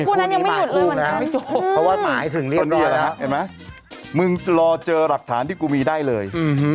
วันนั้นยังไม่หมดลูกนะเพราะว่าหมายถึงเรียบร้อยแล้วเห็นไหมมึงรอเจอหลักฐานที่กูมีได้เลย